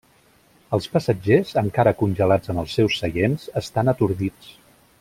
Els passatgers, encara congelats en els seus seients, estan atordits.